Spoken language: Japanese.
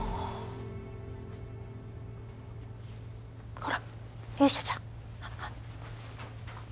ほら勇者ちゃん